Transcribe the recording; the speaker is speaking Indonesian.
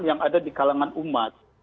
yang ada di kalangan umat